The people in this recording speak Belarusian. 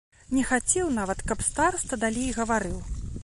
Не хацеў нават, каб стараста далей гаварыў.